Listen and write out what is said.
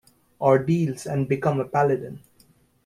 Ordeals and become a Paladin.